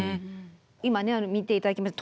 今ね見て頂きました